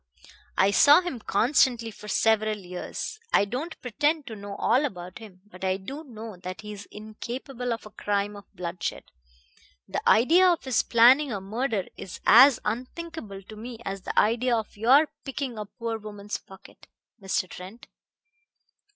I saw him constantly for several years. I don't pretend to know all about him; but I do know that he is incapable of a crime of bloodshed. The idea of his planning a murder is as unthinkable to me as the idea of your picking a poor woman's pocket, Mr. Trent.